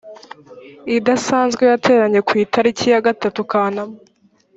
idasanzwe yateranye ku itariki ya gatatu kanama